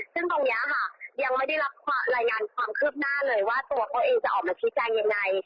ซึ่งตรงนี้ค่ะยังไม่ได้รับรายงานความคืบหน้าเลยว่าตัวเขาเองจะออกมาชี้แจงยังไง